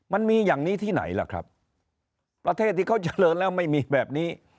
มันมีอย่างนี้ที่ไหนล่ะครับประเทศที่เขาเจริญแล้วไม่มีแบบนี้